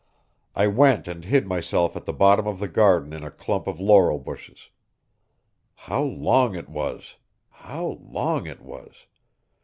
I went and hid myself at the bottom of the garden in a clump of laurel bushes. How long it was! how long it was!